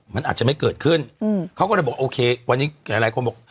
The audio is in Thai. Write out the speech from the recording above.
มันอาจจะไม่เกิดขึ้นเขาก็เลยบอกโอเควันนี้หลายคนบอก